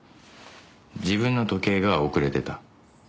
自分の時計が遅れてた。